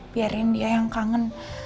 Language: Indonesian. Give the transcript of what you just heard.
biarin dia yang kangen